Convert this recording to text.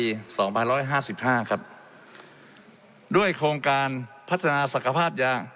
สองพันร้อยห้าสิบห้าครับด้วยโครงการพัฒนาศักภาพยาง